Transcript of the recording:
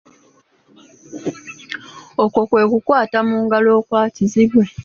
Okwo kwekukwata mu ngalo okwa kizibwe.